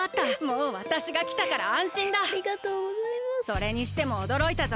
それにしてもおどろいたぞ。